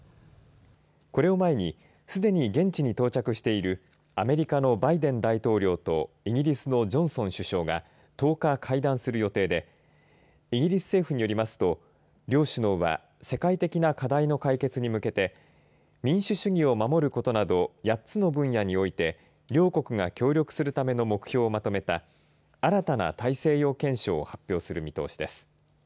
これを前にすでに現地に到着しているアメリカのバイデン大統領とイギリスのジョンソン首相が１０日、会談する予定でイギリス政府によりますと両首脳は世界的な課題の解決に向けて民主主義を守ることなど８つの分野において両国が協力するための目標をまとめた新たな大西洋憲章を発表する見通しです。